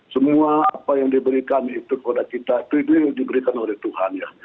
semua apa yang diberikan itu kepada kita itu yang diberikan oleh tuhan ya